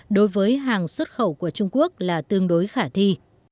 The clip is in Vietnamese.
đối với hàng xuất khẩu của trung quốc là tương đối khả thi